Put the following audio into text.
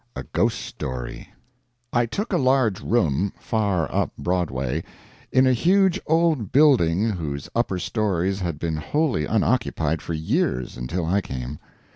] A GHOST STORY I took a large room, far up Broadway, in a huge old building whose upper stories had been wholly unoccupied for years until I came.